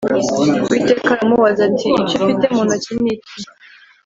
Uwiteka aramubaza ati Icyo ufite mu ntoki ni iki